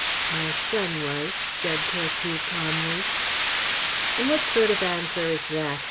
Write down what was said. "My son was," said Tortue calmly. "And what sort of answer is that?